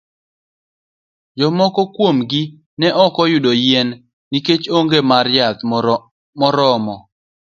Jomoko kuom gi ne ok oyudo yien nikech onge mar yath morormo.